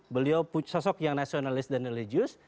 beliau sosok yang nasionalis dan religius